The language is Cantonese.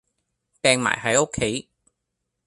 柄埋喺屋企